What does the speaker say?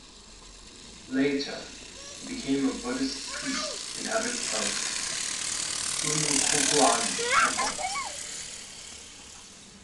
Later, he became a Buddhist priest and abbot of Unkoku-an Temple.